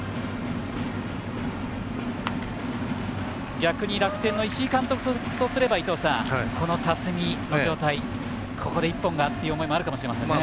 逆に楽天の石井監督とすればこの辰己の状態、ここで一本がという思いあるかもしれませんね。